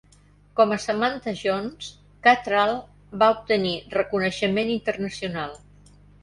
Com a Samantha Jones, Cattrall va obtenir reconeixement internacional.